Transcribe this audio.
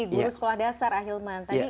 guru sekolah dasar ahilman